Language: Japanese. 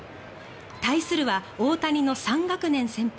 対するは大谷の３学年先輩